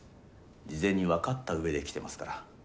事前に分かった上で来てますから。